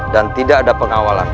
dan tidak ada pengawalan